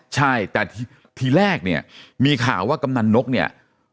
ใช่แต่ทีแรกเนี่ยมีข่าวว่ากำนันนกเนี่ย